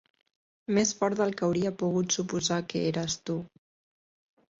Més fort del que hauria pogut suposar que eres tu.